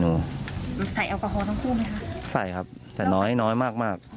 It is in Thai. อยู่ดีมาตายแบบเปลือยคาห้องน้ำได้ยังไง